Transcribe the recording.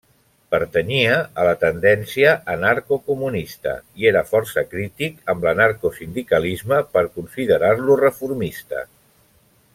Pertanyia a la tendència anarcocomunista i era força crític amb l'anarcosindicalisme per considerar-lo reformista.